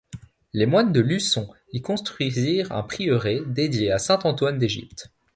Les moines de Luçon y construisirent un prieuré, dédié à Saint Antoine d'Égypte.